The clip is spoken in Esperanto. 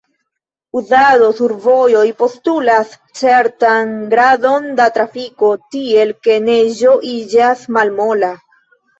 Uzado sur vojoj postulas certan gradon da trafiko, tiel ke neĝo iĝas malmola.